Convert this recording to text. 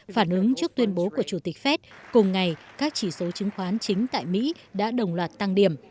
phản ứng trước tuyên bố của chủ tịch fed cùng ngày các chỉ số chứng khoán chính tại mỹ đã đồng loạt tăng điểm